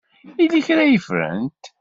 Yella kra ay ffrent?